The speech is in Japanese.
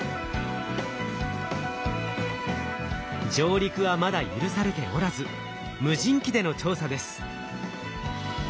上陸はまだ許されておらず無人機での調査です。